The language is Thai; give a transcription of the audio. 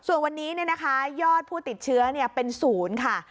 ส่วนวันนี้ยอดผู้ติดเชื้อเป็นศูนย์ค่ะ